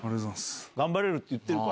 頑張れるって言ってるから。